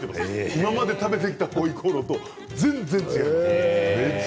今まで食べてきたホイコーローと全然違う。